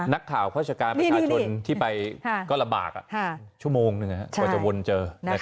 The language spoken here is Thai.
นักข่าวเข้าชะการประชาชนที่ไปก็ระบากชั่วโมงก็จะวนเจอ